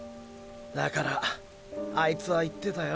だからーーあいつは言ってたよ。